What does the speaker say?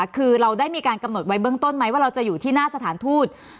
คือเราได้มีการกำหนดไว้เบื้องต้นไหมว่าเราจะอยู่ที่หน้าสถานทูต